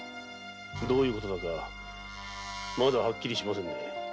どういうことかまだはっきりしませんね。